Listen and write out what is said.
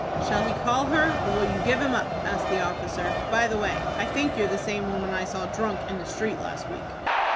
"Shall he call her, or will you give him up?" asked the officer. "By the way, I think you're the same woman I saw drunk in the street last week."